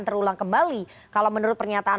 terulang kembali kalau menurut pernyataan